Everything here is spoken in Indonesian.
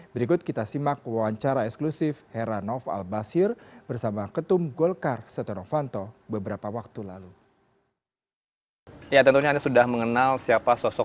berikut kita simak wawancara eksklusif heranov albasir bersama ketum golkar setia novanto beberapa waktu lalu